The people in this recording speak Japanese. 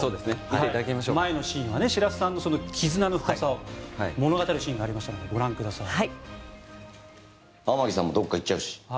前のシーンは白洲さんの絆の深さを物語るシーンがありましたのでご覧ください。